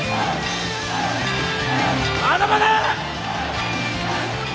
まだまだ！